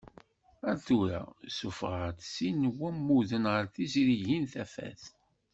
Ar tura, suffeɣeɣ-d sin n wammuden ɣer tezrigin Tafat.